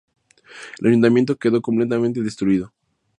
El ayuntamiento quedó completamente destruido.